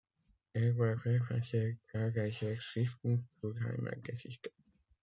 Er war Verfasser zahlreicher Schriften zur Heimatgeschichte.